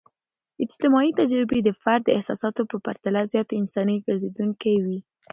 اجتماعي تجربې د فرد د احساساتو په پرتله زیات انساني ګرځیدونکي وي.